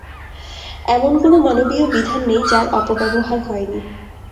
এমন কোন মানবীয় বিধান নেই, যার অপব্যবহার হয়নি।